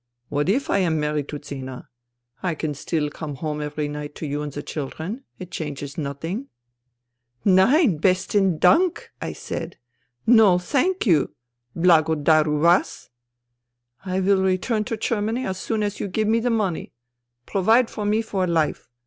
What if I am married to Zina ? I can still come home every night to you and the children. It changes nothing.' "' Nein, hesten Bank !' I said. * No, thank you, hlagodaru vas ! I will return to Germany as soon as you give me the money — provide for me for life.